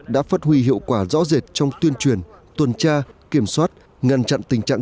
đã phát huy hiệu quả rõ rệt trong tuyên truyền tuần tra kiểm soát ngăn chặn tình trạng